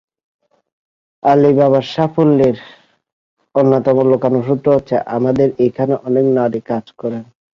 আলিবাবার সাফল্যের অন্যতম লুকানো সূত্র হচ্ছে আমাদের এখানে অনেক নারী কাজ করেন।